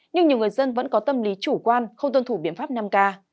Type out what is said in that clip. nhưng nhiều người dân vẫn có tâm lý chủ quan không tuân thủ biện pháp năm k